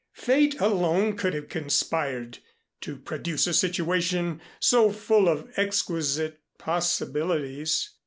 Fate alone could have conspired to produce a situation so full of exquisite possibilities.